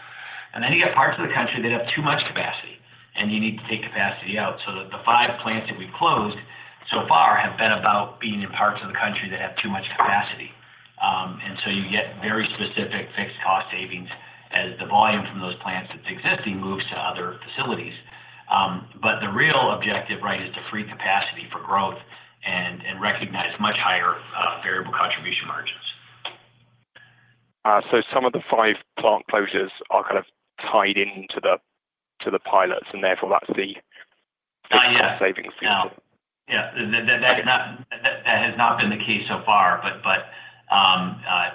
And then you get parts of the country that have too much capacity, and you need to take capacity out. So the five plants that we've closed so far have been about being in parts of the country that have too much capacity. And so you get very specific fixed cost savings as the volume from those plants that's existing moves to other facilities. But the real objective, right, is to free capacity for growth and recognize much higher variable contribution margins. So some of the five plant closures are kind of tied into the pilots, and therefore that's the fixed cost savings feature. Yeah. That has not been the case so far, but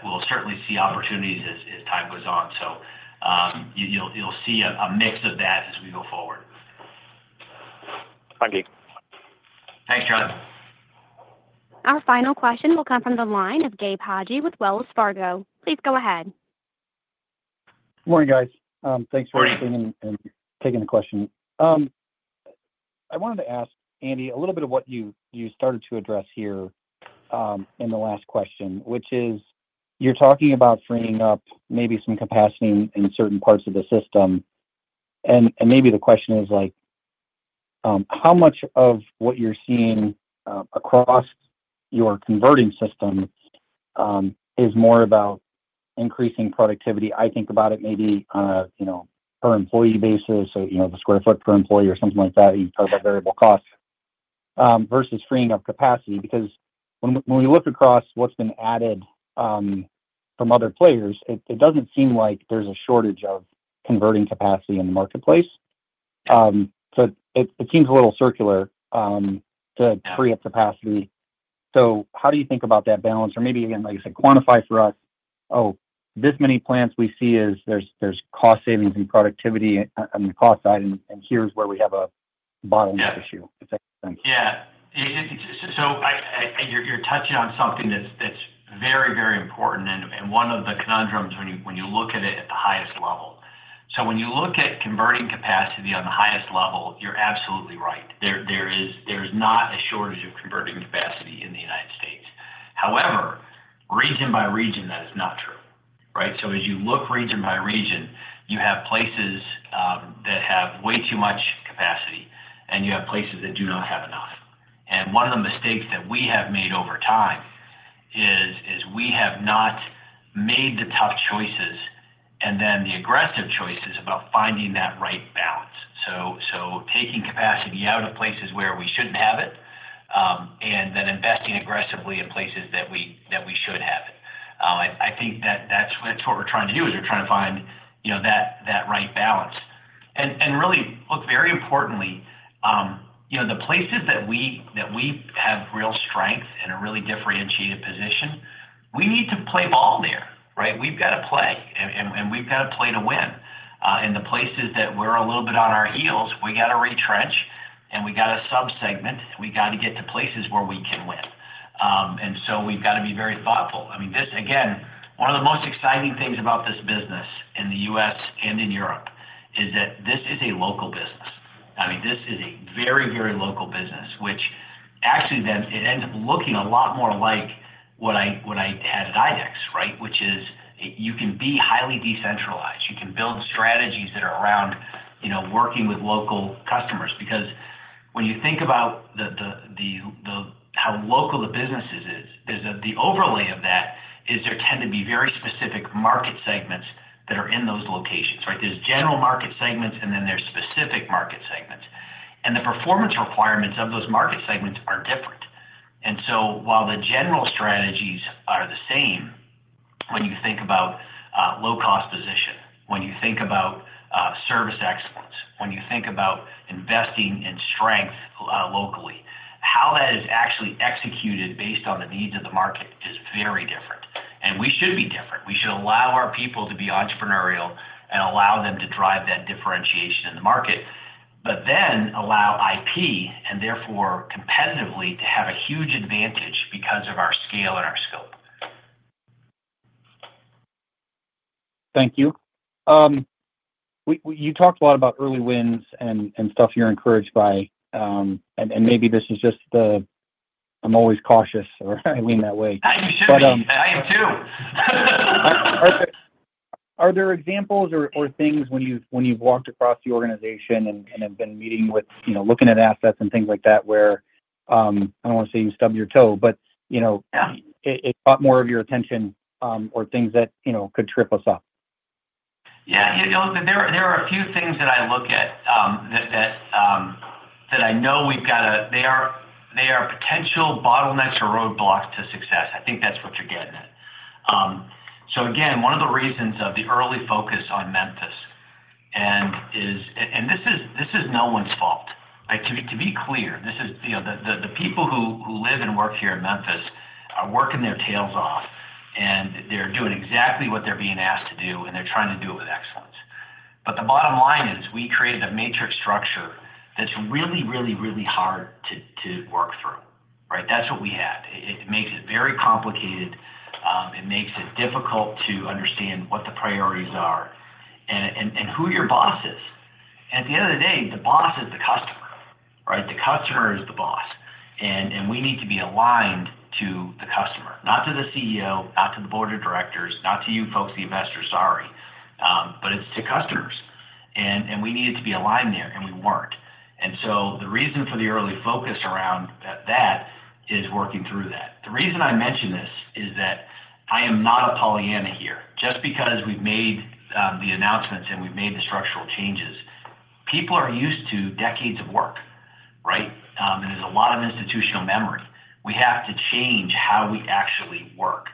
we'll certainly see opportunities as time goes on. So you'll see a mix of that as we go forward. Thank you. Thanks, John. Our final question will come from the line of Gabe Hajde with Wells Fargo. Please go ahead. Good morning, guys. Thanks for taking the question. I wanted to ask, Andy, a little bit of what you started to address here in the last question, which is you're talking about freeing up maybe some capacity in certain parts of the system. And maybe the question is, how much of what you're seeing across your converting system is more about increasing productivity? I think about it maybe on a per-employee basis, so the sq ft per employee or something like that. You talk about variable costs versus freeing up capacity. Because when we look across what's been added from other players, it doesn't seem like there's a shortage of converting capacity in the marketplace. So it seems a little circular to free up capacity. So how do you think about that balance? Or maybe, again, like I said, quantify for us, "Oh, this many plants we see as there's cost savings and productivity on the cost side, and here's where we have a bottleneck issue." Yeah. So you're touching on something that's very, very important and one of the conundrums when you look at it at the highest level. So when you look at converting capacity on the highest level, you're absolutely right. There is not a shortage of converting capacity in the United States. However, region by region, that is not true, right? So as you look region by region, you have places that have way too much capacity, and you have places that do not have enough. And one of the mistakes that we have made over time is we have not made the tough choices and then the aggressive choices about finding that right balance. So taking capacity out of places where we shouldn't have it and then investing aggressively in places that we should have it. I think that's what we're trying to do, is we're trying to find that right balance. And really, look, very importantly, the places that we have real strength and a really differentiated position, we need to play ball there, right? We've got to play, and we've got to play to win. And the places that we're a little bit on our heels, we got to retrench, and we got to subsegment, and we got to get to places where we can win. And so we've got to be very thoughtful. I mean, again, one of the most exciting things about this business in the U.S. and in Europe is that this is a local business. I mean, this is a very, very local business, which actually then it ends up looking a lot more like what I had at IDEX, right? Which is you can be highly decentralized. You can build strategies that are around working with local customers. Because when you think about how local the business is, the overlay of that is there tend to be very specific market segments that are in those locations, right? There's general market segments, and then there's specific market segments. And the performance requirements of those market segments are different. And so while the general strategies are the same when you think about low-cost position, when you think about service excellence, when you think about investing in strength locally, how that is actually executed based on the needs of the market is very different. And we should be different. We should allow our people to be entrepreneurial and allow them to drive that differentiation in the market, but then allow IP and therefore competitively to have a huge advantage because of our scale and our scope. Thank you. You talked a lot about early wins and stuff you're encouraged by, and maybe this is just the I'm always cautious, or I lean that way. I am too. Are there examples or things when you've walked across the organization and have been meeting with looking at assets and things like that where I don't want to say you stubbed your toe, but it caught more of your attention or things that could trip us up? Yeah. There are a few things that I look at that I know we've got to they are potential bottlenecks or roadblocks to success. I think that's what you're getting at. So, again, one of the reasons of the early focus on Memphis is, and this is no one's fault. To be clear, this is the people who live and work here in Memphis are working their tails off, and they're doing exactly what they're being asked to do, and they're trying to do it with excellence. But the bottom line is we created a matrix structure that's really, really, really hard to work through, right? That's what we had. It makes it very complicated. It makes it difficult to understand what the priorities are and who your boss is. And at the end of the day, the boss is the customer, right? The customer is the boss. And we need to be aligned to the customer, not to the CEO, not to the board of directors, not to you folks, the investors, sorry. But it's to customers. And we needed to be aligned there, and we weren't. And so the reason for the early focus around that is working through that. The reason I mention this is that I am not a Pollyanna here. Just because we've made the announcements and we've made the structural changes, people are used to decades of work, right? And there's a lot of institutional memory. We have to change how we actually work.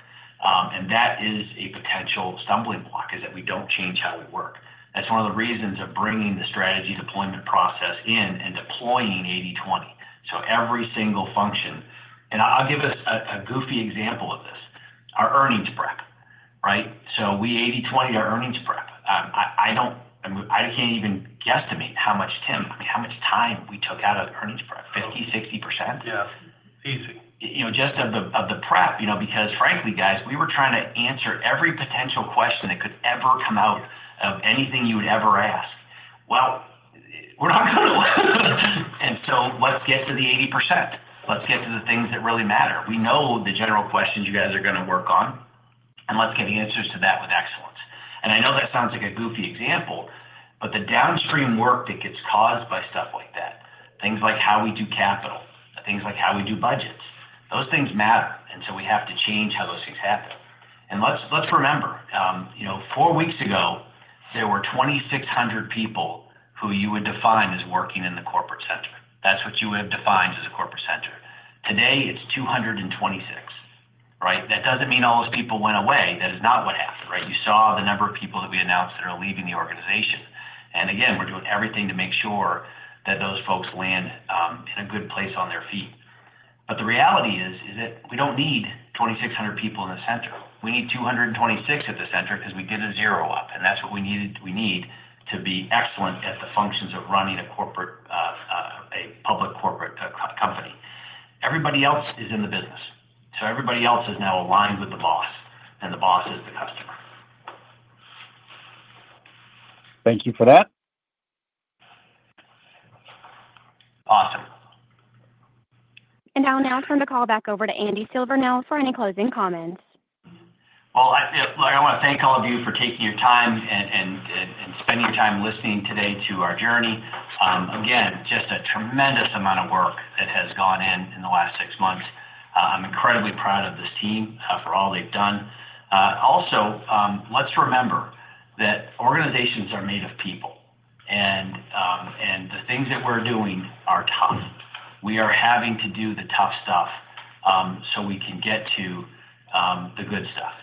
And that is a potential stumbling block is that we don't change how we work. That's one of the reasons of bringing the strategy deployment process in and deploying 80/20. So every single function and I'll give us a goofy example of this. Our earnings prep, right? So we 80/20 our earnings prep. I can't even guesstimate how much time we took out of the earnings prep, 50%-60%. Yeah. Easy. Just out of the prep, because frankly, guys, we were trying to answer every potential question that could ever come out of anything you would ever ask. Well, we're not going to. And so let's get to the 80%. Let's get to the things that really matter. We know the general questions you guys are going to work on, and let's get answers to that with excellence. And I know that sounds like a goofy example, but the downstream work that gets caused by stuff like that, things like how we do capital, things like how we do budgets, those things matter. And so we have to change how those things happen. And let's remember, four weeks ago, there were 2,600 people who you would define as working in the corporate center. That's what you would have defined as a corporate center. Today, it's 226, right? That doesn't mean all those people went away. That is not what happened, right? You saw the number of people that we announced that are leaving the organization. And again, we're doing everything to make sure that those folks land in a good place on their feet. But the reality is that we don't need 2,600 people in the center. We need 226 at the center because we did a zero-up. And that's what we need to be excellent at the functions of running a public corporate company. Everybody else is in the business. So everybody else is now aligned with the boss, and the boss is the customer. Thank you for that. Awesome. And I'll now turn the call back over to Andy Silvernail now for any closing comments. I want to thank all of you for taking your time and spending your time listening today to our journey. Again, just a tremendous amount of work that has gone in the last six months. I'm incredibly proud of this team for all they've done. Also, let's remember that organizations are made of people, and the things that we're doing are tough. We are having to do the tough stuff so we can get to the good stuff,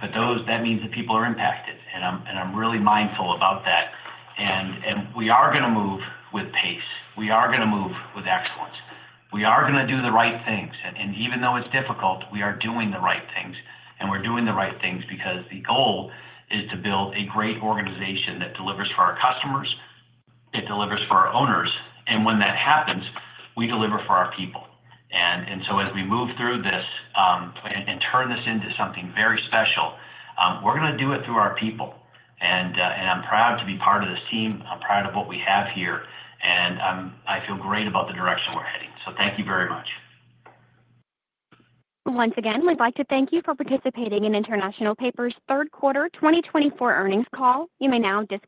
but that means that people are impacted, and I'm really mindful about that, and we are going to move with pace. We are going to move with excellence. We are going to do the right things, and even though it's difficult, we are doing the right things. And we're doing the right things because the goal is to build a great organization that delivers for our customers, that delivers for our owners. And when that happens, we deliver for our people. And so as we move through this and turn this into something very special, we're going to do it through our people. And I'm proud to be part of this team. I'm proud of what we have here, and I feel great about the direction we're heading. So thank you very much. Once again, we'd like to thank you for participating in International Paper's Q3 2024 earnings call. You may now disconnect.